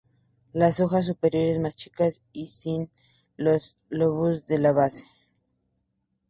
Las hojas superiores más chicas y sin los lóbulos de la base.